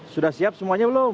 sudah siap semuanya belum